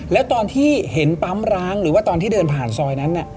แล้วตอนที่เห็นปั๊มร้างหรือว่าตอนที่เดินผ่านซอยนั้น